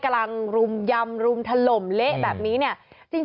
กำลังรุมยำรุมถล่มเละแบบนี้เนี่ย